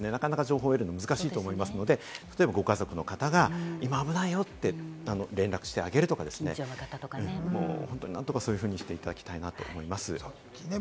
高齢の方はなかなか情報を得るのは難しいと思うので、ご家族の方が今危ないよって連絡してあげるとか、何とかそういうふうにしていただきたいと思います。